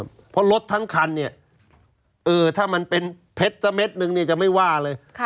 เพราะรถทั้งคันเนี่ยเออถ้ามันเป็นเพชรสักเม็ดนึงเนี่ยจะไม่ว่าเลย